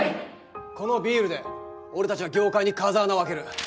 このビールで俺たちは業界に風穴を開ける！